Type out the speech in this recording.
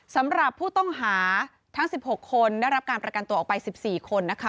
สำหรับผู้ต้องหาทั้ง๑๖คนได้รับการประกันตัวออกไป๑๔คนนะคะ